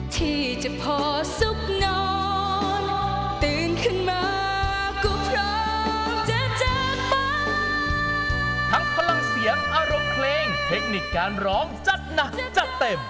ทั้งพลังเสียงอารมณ์เพลงเทคนิคการร้องจัดหนักจัดเต็ม